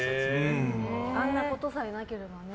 あんなことさえなければね